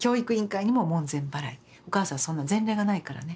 お母さんそんな前例がないからね